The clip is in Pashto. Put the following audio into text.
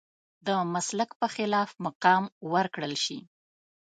د مسلک په خلاف مقام ورکړل شي.